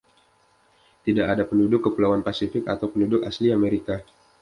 Tidak ada penduduk Kepulauan Pasifik atau penduduk asli Amerika.